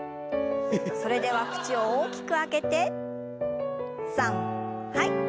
それでは口を大きく開けてさんはいっ。